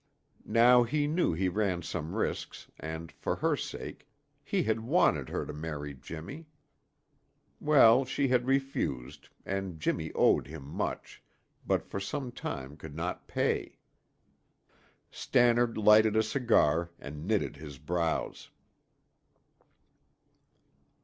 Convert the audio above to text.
Now he knew he ran some risks and, for her sake, he had wanted her to marry Jimmy. Well, she had refused, and Jimmy owed him much, but for some time could not pay. Stannard lighted a cigar and knitted his brows.